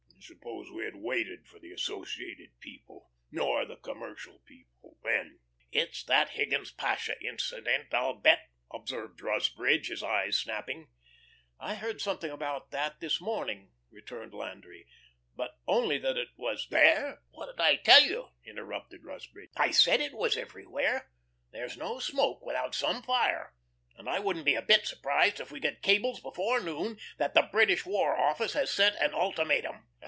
Suppose we had waited for the Associated people or the Commercial people then?" "It's that Higgins Pasha incident, I'll bet," observed Rusbridge, his eyes snapping. "I heard something about that this morning," returned Landry. "But only that it was " "There! What did I tell you?" interrupted Rusbridge. "I said it was everywhere. There's no smoke without some fire. And I wouldn't be a bit surprised if we get cables before noon that the British War Office had sent an ultimatum."